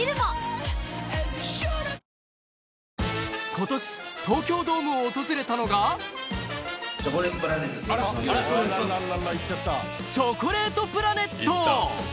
今年東京ドームを訪れたのがチョコレートプラネットです。